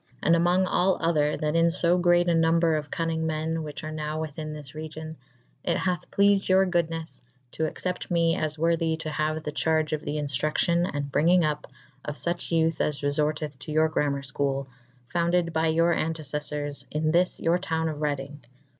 And among all other that in lb greate a nombre of cunnynge men whiche ar nowe within this region /it hathe pleafid your goodnes to accept me as worthy to° haue the charge of the inftruccyon^ and bryngyng uppe'' of fuche youthe as^ reforteth to your gramer i'chole, founded by your antecelTours in thys your towne of Redyng.